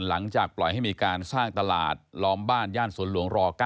หลังจากปล่อยให้มีการสร้างตลาดล้อมบ้านย่านสวนหลวงร๙